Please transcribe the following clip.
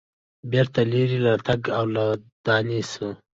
بیرته لیري له تلک او له دانې سو